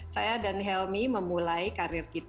saya dan helmi memulai karir kita